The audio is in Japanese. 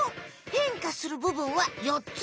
変化する部分は４つ。